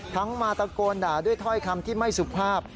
มาตะโกนด่าด้วยถ้อยคำที่ไม่สุภาพ